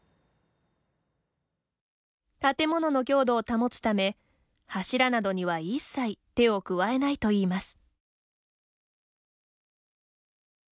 建物の強度を保つため柱などには一切手を加えないといいます。